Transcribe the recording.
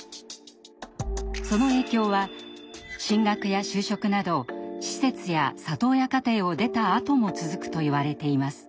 その影響は進学や就職など施設や里親家庭を出たあとも続くといわれています。